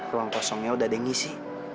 ruang kosongnya udah ada yang ngisi